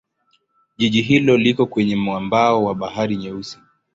Jiji hilo liko kwenye mwambao wa Bahari Nyeusi.